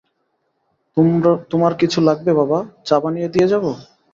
তোমার কিছু লাগবে বাবা, চা বানিয়ে দিয়ে যাব?